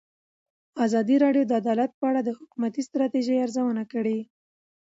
ازادي راډیو د عدالت په اړه د حکومتي ستراتیژۍ ارزونه کړې.